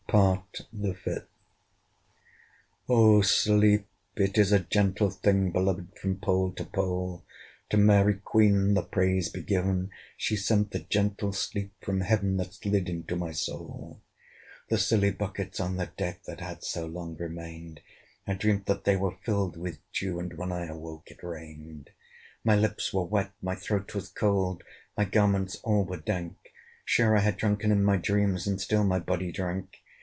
PART THE FIFTH. Oh sleep! it is a gentle thing, Beloved from pole to pole! To Mary Queen the praise be given! She sent the gentle sleep from Heaven, That slid into my soul. The silly buckets on the deck, That had so long remained, I dreamt that they were filled with dew; And when I awoke, it rained. My lips were wet, my throat was cold, My garments all were dank; Sure I had drunken in my dreams, And still my body drank.